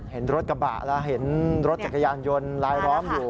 เห็นรถกระบะแล้วเห็นรถจักรยานยนต์ลายล้อมอยู่